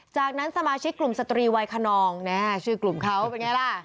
จากนั้นสมาชิกกลุ่มสตรีวัยคนนองแน่ชื่อกลุ่มเขาเป็นไงล่ะ